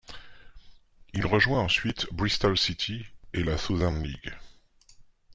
Il rejoint ensuite Bristol City et la Southern League.